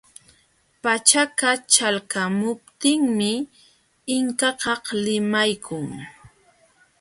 Pachaka ćhalqamuptinmi Inkakaq limaykun.